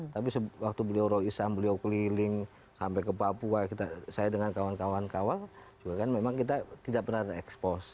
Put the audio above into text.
tapi waktu beliau roh isam beliau keliling sampai ke papua saya dengan kawan kawan kawan juga kan memang kita tidak pernah terekspos